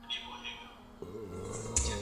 په داسي پوچو الفاظو !.